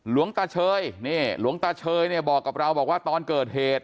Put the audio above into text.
หลวงตาเชยนี่หลวงตาเชยเนี่ยบอกกับเราบอกว่าตอนเกิดเหตุ